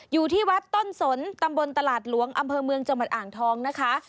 อยู่ที่วัดต้นสนตำบลตลาดหลวงอำเภอเมืองจังหวัดอ่างทองนะคะ